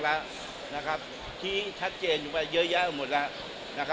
ทางชัดเจนอยู่ไปเยอะมาก